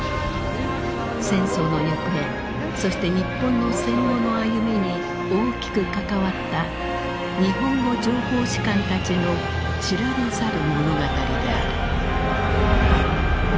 戦争の行方そして日本の戦後の歩みに大きく関わった日本語情報士官たちの知られざる物語である。